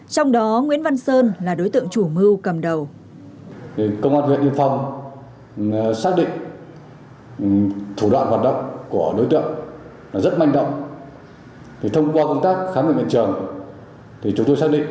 trong đó nguyễn văn sơn là đối tượng chủ mưu cầm đầu